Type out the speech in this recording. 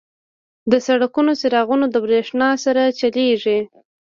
• د سړکونو څراغونه د برېښنا سره چلیږي.